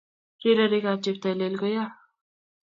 Rirenik ab cheptailel koyoo